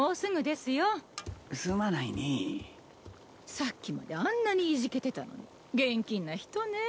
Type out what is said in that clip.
さっきまであんなにいじけてたのに現金な人ねぇ。